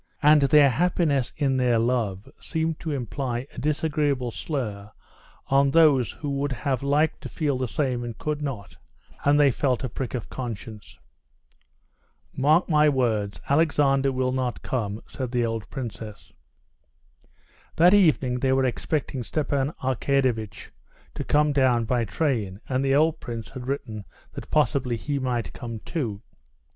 And their happiness in their love seemed to imply a disagreeable slur on those who would have liked to feel the same and could not—and they felt a prick of conscience. "Mark my words, Alexander will not come," said the old princess. That evening they were expecting Stepan Arkadyevitch to come down by train, and the old prince had written that possibly he might come too.